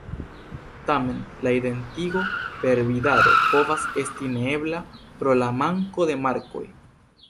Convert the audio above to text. Tamen, la identigo per vidado povas esti neebla pro la manko de markoj.